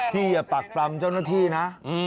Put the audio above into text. อย่าปากปรำเจ้าหน้าที่นะ